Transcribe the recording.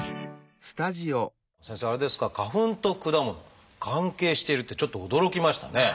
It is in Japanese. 先生あれですか花粉と果物関係してるってちょっと驚きましたね。